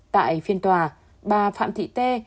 tại phiên tòa bà phạm thị tê